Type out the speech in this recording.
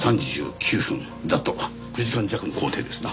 ざっと９時間弱の行程ですな。